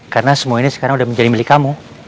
karena semua ini sekarang sudah menjadi milik kamu